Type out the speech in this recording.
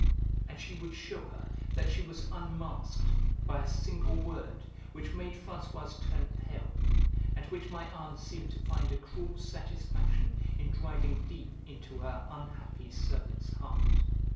And she would shew her that she was unmasked, by, a single word, which made Françoise turn pale, and which my aunt seemed to find a cruel satisfaction in driving into her unhappy servant's heart.